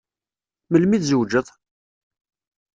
Melmi tzewǧeḍ?